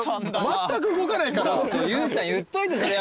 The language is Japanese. まったく動かないから。